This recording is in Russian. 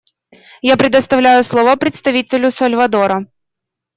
Я предоставляю слово представителю Сальвадора.